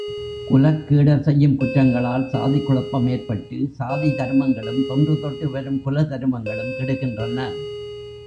குலக்கேடர் செய்யும் குற்றங்களால் சாதிக் குழப்பம் ஏற்பட்டு, சாதி தருமங்களும் தொன்று தொட்டு வரும் குலதருமங்களும் கெடுகின்றன.